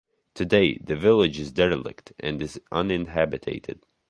Today, the village is derelict and is uninhabited.